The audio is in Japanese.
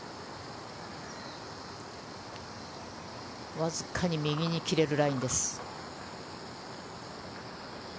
わずかに右に切れるラインです。